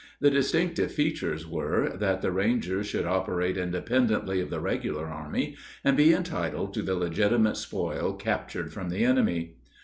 The distinctive features were, that the rangers should operate independently of the regular army and be entitled to the legitimate spoil captured from the enemy.